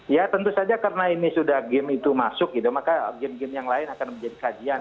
ya tentu saja karena ini sudah game itu masuk gitu maka game game yang lain akan menjadi kajian